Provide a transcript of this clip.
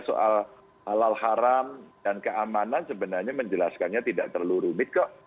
soal halal haram dan keamanan sebenarnya menjelaskannya tidak terlalu rumit kok